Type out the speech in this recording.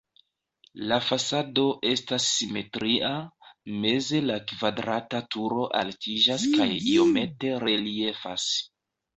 La fasado estas simetria, meze la kvadrata turo altiĝas kaj iomete reliefas.